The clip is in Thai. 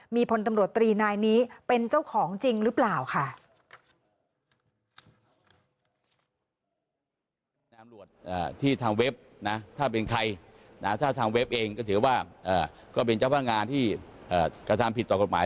มีผลตำรวจตรีซึ่งมากก็ได้ไหมครับ